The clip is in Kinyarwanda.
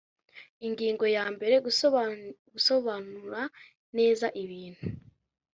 Ingingo yambere Gusobanura neza ibintu